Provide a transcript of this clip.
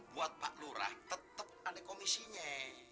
buat pak lurah tetap ada komisinya